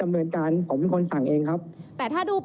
เรามีการปิดบันทึกจับกลุ่มเขาหรือหลังเกิดเหตุแล้วเนี่ย